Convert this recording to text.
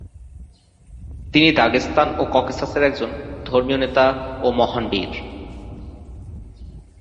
তিনি দাগেস্তান ও ককেশাসের একজন ধর্মীয় নেতা ও মহান বীর।